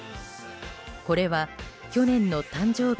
これは去年の誕生日